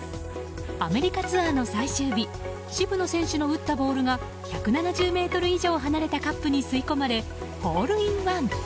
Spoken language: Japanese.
アメリカツアーの最終日渋野選手の打ったボールが１７０ｍ以上離れたカップに吸い込まれホールインワン！